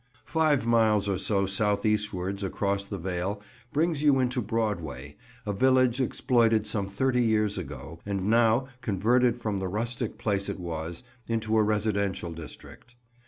Five miles or so south eastwards across the vale brings you into Broadway, a village exploited some thirty years ago, and now, converted from the rustic place it was, into a residential district.